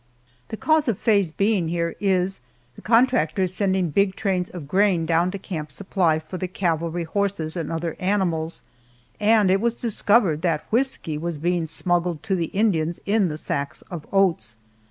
The cause of Faye's being here is, the contractor is sending big trains of grain down to Camp Supply for the cavalry horses and other animals, and it was discovered that whisky was being smuggled to the Indians in the sacks of oats.